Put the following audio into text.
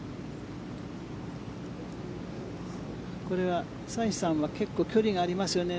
これはサイさんは結構距離がありますね。